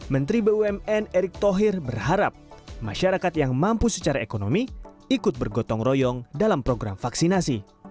menteri bumn erick thohir berharap masyarakat yang mampu secara ekonomi ikut bergotong royong dalam program vaksinasi